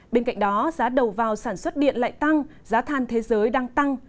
bên cạnh đó giá đầu vào sản xuất điện lại tăng giá than thế giới đang tăng